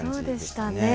そうでしたね。